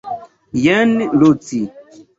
Jen Luci.